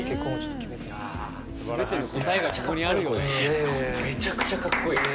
ほんとめちゃくちゃかっこいい。